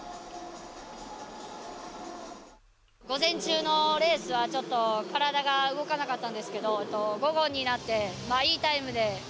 午前中のレースはちょっと体が動かなかったんですけど午後になっていいタイムで来れたんじゃないかなと思います。